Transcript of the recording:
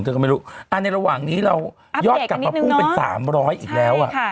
ก็ไม่รู้ในระหว่างนี้เรายอดกลับมาพุ่งเป็น๓๐๐อีกแล้ว